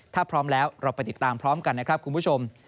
ถ้าพร้อมแล้วเราไปติดตามพร้อมกันนะครับคุณผู้ชม